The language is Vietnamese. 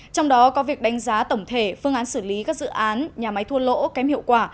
trong đó có việc đánh giá tổng thể phương án xử lý các dự án nhà máy thua lỗ kém hiệu quả